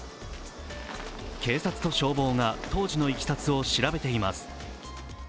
警察と消防が当時のいきさつを調べています。